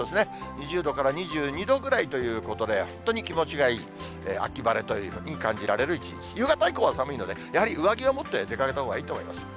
２０度から２２度ぐらいということで、本当に気持ちがいい秋晴れというふうに感じられる一日、夕方以降は寒いので、やはり上着は持って出かけたほうがいいと思います。